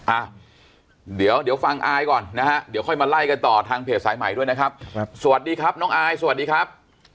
อ่ะเดี๋ยวฟังอายก่อนนะฮะเดี๋ยวค่อยมาไล่กันต่อทางเพจสายใหม่ด้วยนะครับสวัสดีครับน้องอายสวัสดีครับ